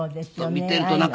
見ているとなんかこう。